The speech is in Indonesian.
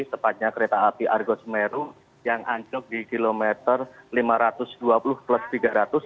tepatnya kereta api argo semeru yang anjlok di kilometer lima ratus dua puluh plus tiga ratus